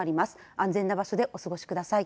安全な場所でお過ごしください。